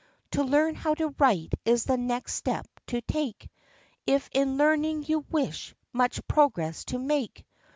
To learn how to write is the next step to take, If in learning you wish much progress to make.